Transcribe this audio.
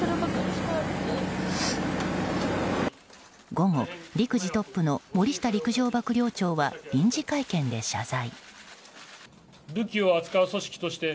午後、陸自トップの森下陸上幕僚長は臨時会見で謝罪。